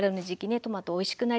トマトおいしくなりますので。